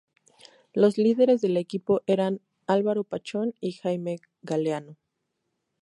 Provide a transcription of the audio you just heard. Los líderes del equipo eran Álvaro Pachón y Jaime Galeano.